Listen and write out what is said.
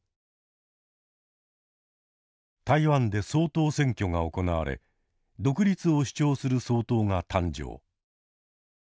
台湾で総統選挙が行われ独立を主張する総統が誕生。